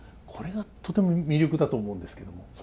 これがとても魅力だと思うんですけども。